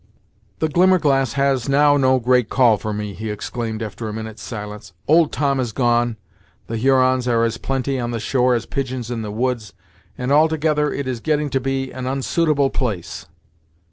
"The Glimmerglass has now no great call for me," he exclaimed after a minute's silence. "Old Tom is gone, the Hurons are as plenty on the shore as pigeons in the woods, and altogether it is getting to be an onsuitable place."